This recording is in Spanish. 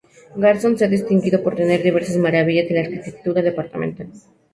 Garzón se ha distinguido por tener diversas maravillas de la arquitectura departamental.